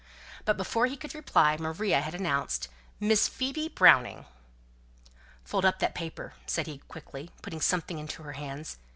But before he could reply, Maria had announced, "Miss Phoebe Browning." "Fold up that paper," said he, quickly, putting something into her hands.